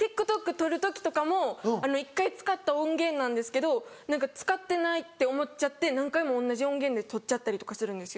撮る時とかも１回使った音源なんですけど使ってないって思っちゃって何回も同じ音源で撮っちゃったりとかするんです。